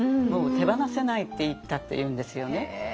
もう手放せないって言ったっていうんですよね。